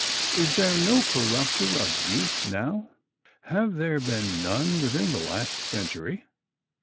Is there no corrupter of youth now? Have there been none within the last century?